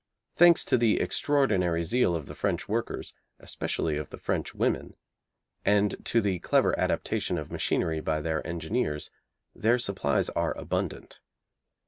Thanks to the extraordinary zeal of the French workers, especially of the French women, and to the clever adaptation of machinery by their engineers, their supplies are abundant.